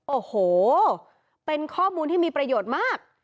โอ้โหเป็นข้อมูลที่มีประโยชน์มาก